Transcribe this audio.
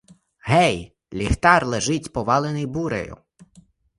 Гей, ліхтар лежить, повалений бурею.